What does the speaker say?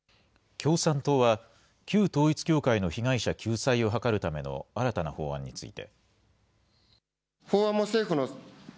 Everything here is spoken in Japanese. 共産党は、旧統一教会の被害者救済を図るための新たな法案について。